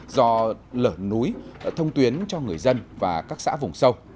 do lở núi thông tuyến cho người dân và các xã vùng sâu